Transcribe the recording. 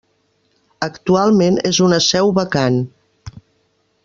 Actualment és una seu vacant.